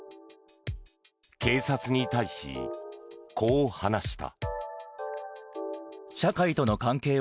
警察に対し、こう話した。